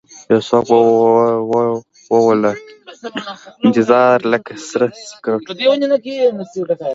یوڅوک به ووله انتظاره لکه سره سکروټه